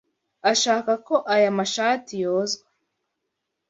Ashaka ko aya mashati yozwa.